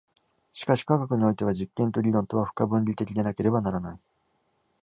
しかし科学においては実験と理論とは不可分離的でなければならない。